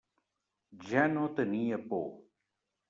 Ja no tenia por.